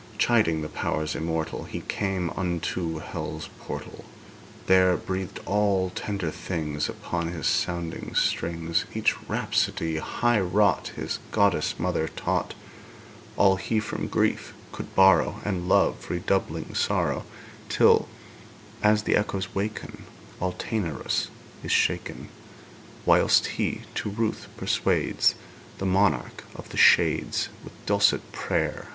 Chiding the powers immortal, He came unto Hell's portal; There breathed all tender things Upon his sounding strings, Each rhapsody high wrought His goddess mother taught All he from grief could borrow And love redoubling sorrow, Till, as the echoes waken, All Tænarus is shaken; Whilst he to ruth persuades The monarch of the shades With dulcet prayer.